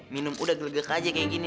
minum udah lega lega aja kayak gini nih